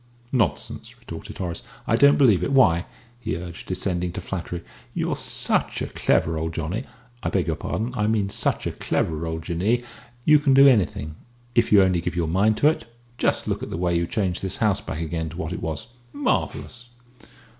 "Nonsense!" retorted Horace; "I don't believe it. Why," he urged, descending to flattery, "you're such a clever old Johnny I beg your pardon, I meant such a clever old Jinnee you can do anything, if you only give your mind to it. Just look at the way you changed this house back again to what it was. Marvellous!"